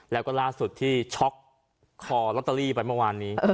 แล้วก็ล่าสุดที่ช็อกคอลอตเตอรี่ไปเมื่อวานนี้